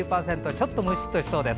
ちょっとムシッとしそうです。